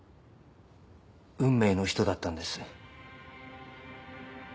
運命の人だったんです。